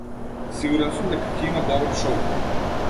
Сигурен сум дека ќе има добро шоу.